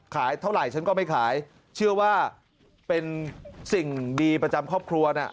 ขายเท่าไหร่ฉันก็ไม่ขายเชื่อว่าเป็นสิ่งดีประจำครอบครัวน่ะ